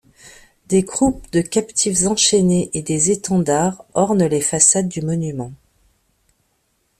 Des groupes de captifs enchaînés et des étendards ornent les façades du monument.